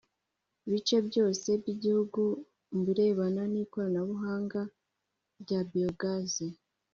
bice byose by igihugu mu birebana n ikoranabuhanga rya biogaz